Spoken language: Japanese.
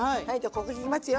ここ行きますよ。